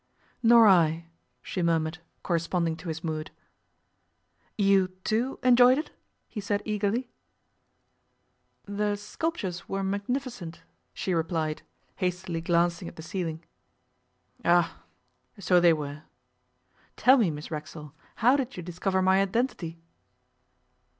'Nor I,' she murmured corresponding to his mood. 'You, too enjoyed it?' he said eagerly. 'The sculptures were magnificent,' she replied, hastily glancing at the ceiling. 'Ah! So they were! Tell me, Miss Racksole, how did you discover my identity.